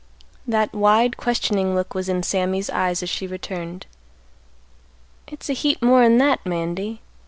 That wide questioning look was in Sammy's eyes as she returned, "It's a heap more'n that, Mandy.